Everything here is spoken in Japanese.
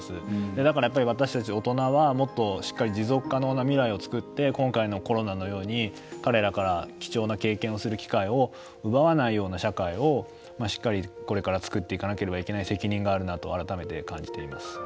だから、私たち大人はもっとしっかり持続可能な未来を作って、今回のコロナのように彼らから貴重な経験をする機会を奪わないような社会をしっかりこれから作っていかなければいけない責任があるなと改めて感じています。